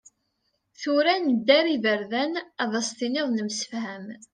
Tura, nedda ar yiberdan, Ad as-tiniḍ nemsefham.